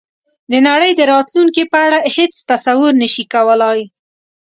د نړۍ د راتلونکې په اړه هېڅ تصور نه شي کولای.